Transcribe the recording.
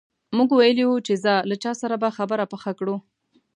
موږ ویلي وو چې ځه له چا سره به خبره پخه کړو.